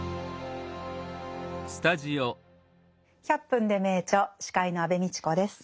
「１００分ｄｅ名著」司会の安部みちこです。